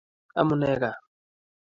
Amune kaa?